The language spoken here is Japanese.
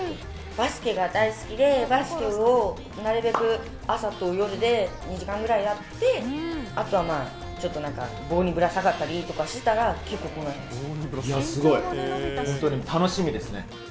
バスケが大好きで、バスケをなるべく朝と夜で２時間ぐらいやって、あとはまあ、ちょっとなんか、棒にぶら下がったりとかしてたら、結構、こうないや、すごい、本当に楽しみですね。